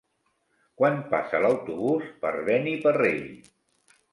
Quan passa l'autobús per Beniparrell?